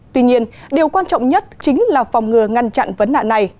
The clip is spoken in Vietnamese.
tuy nhiên điều quan trọng nhất chính là phòng ngừa ngăn chặn vấn nạn này